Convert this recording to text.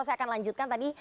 saya akan lanjutkan tadi